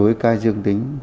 nhiều cái ca dương tính